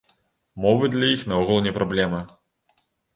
Мовы для іх наогул не праблема.